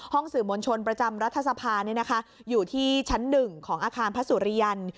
ห้องสื่อมนชนประจำรัฐสภาอยู่ที่ชั้นหนึ่งของอาคารพระสุริยัน